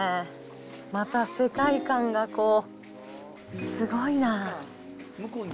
また世界観がこう、すごいな。